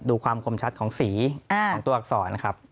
ดูความคมชัดของสีของตัวอักษรครับ